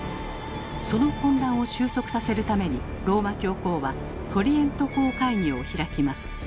その混乱を収束させるためにローマ教皇は「トリエント公会議」を開きます。